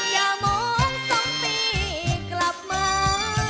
อย่ามอง๒ปีกลับมา